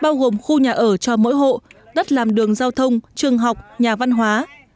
bao gồm khu nhà ở cho mỗi hộ đất làm đường giao thông trường học nhà văn hóa